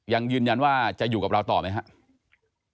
ยังยืนยันว่าจะอยู่กับเราต่อไหมครับ